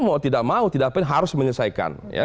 mau tidak mau tidak apa apa harus menyelesaikan